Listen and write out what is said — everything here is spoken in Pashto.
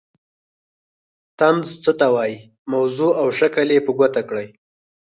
طنز څه ته وايي موضوع او شکل یې په ګوته کړئ.